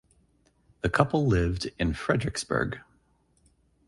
The couple lived in Frederiksberg.